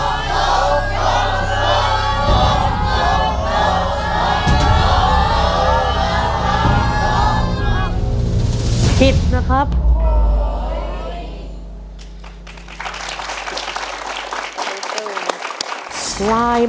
คำถามสำหรับเรื่องนี้คือ